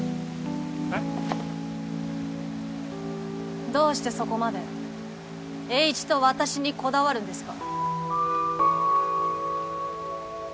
えっ？どうしてそこまでエーイチと私にこだわるんですか？